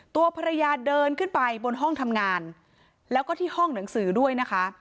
ตัวภรรยาเดินขึ้นไปบนห้องทำงานแล้วก็ที่ห้องหนังสือด้วยนะคะ